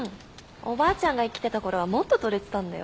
おばあちゃんが生きてたころはもっととれてたんだよ。